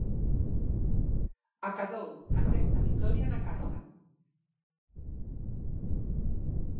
Acadou a sexta vitoria na casa.